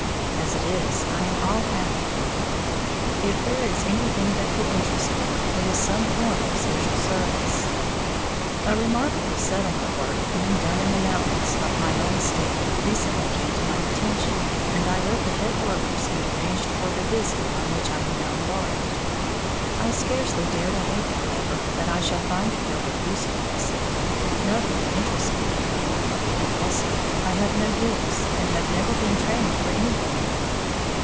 As it is, I am all apathy. If there is anything that could interest me, it is some form of social service. A remarkable settlement work being done in the mountains of my own state recently came to my attention; and I wrote the head workers and arranged for the visit on which I am now embarked. I scarcely dare to hope, however, that I shall find a field of usefulness, nothing interests me any more, and also, I have no gifts, and have never been trained for anything.